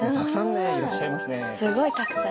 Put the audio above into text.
すごいたくさん！